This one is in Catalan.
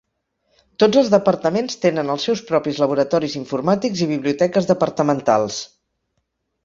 Tots els departaments tenen els seus propis laboratoris informàtics i biblioteques departamentals.